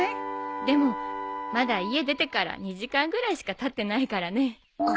でもまだ家出てから２時間ぐらいしかたってないからね。